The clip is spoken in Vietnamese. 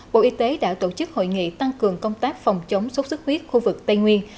bộ y tế đã tổ chức hội nghị tăng cường công tác phòng chống sốt xuất huyết khu vực tây nguyên